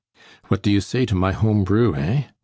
"What do you say to my home brew, eh?